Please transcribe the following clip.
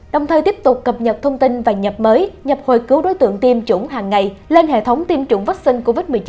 đồng thời tiếp tục cập nhật thông tin và nhập mới nhập hồi cứu đối tượng tiêm chủng hàng ngày lên hệ thống tiêm chủng vaccine covid một mươi chín